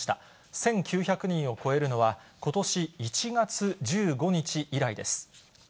１９００人を超えるのは、ことし１月１５日以来です。